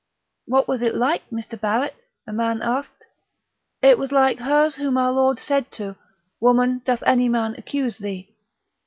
"What was it like, Mr. Barrett?" a man asked. "It was like hers whom our Lord said to, 'Woman, doth any man accuse thee?'